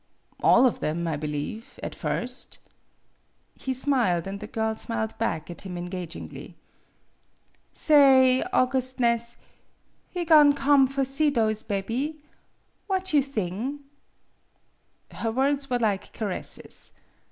" "All of them, I believe, at first." He smiled, and the girl smiled back at him engagingly. " Sa ay, augustness, he go'n' come for see those bebby? What you thing?" Her words were like caresses.